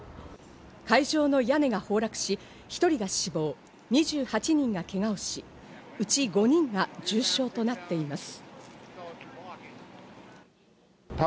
会場の屋根が崩落し、１人が死亡、２８人がけがをし、うち５人が重傷となっています。